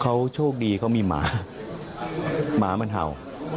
เขาโชคดีเขามีหมาหมามันเห่า